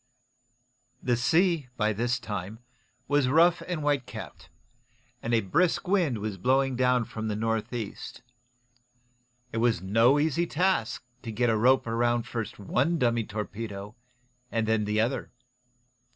The sea, by this time, was rough and whitecapped, and a brisk wind was blowing down from the north east. It was no easy task to get a rope around first one dummy torpedo, and then the other.